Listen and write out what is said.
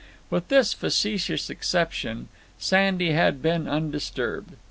With this facetious exception, Sandy had been undisturbed.